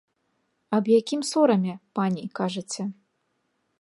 Аб якім сораме, пані, кажаце?